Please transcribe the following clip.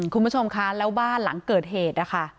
คุณผู้ชมคะแล้วบ้านหลังเกิดเหตุนะคะ